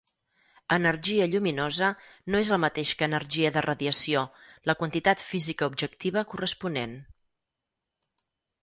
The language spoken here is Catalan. Energia lluminosa no és el mateix que energia de radiació, la quantitat física objectiva corresponent.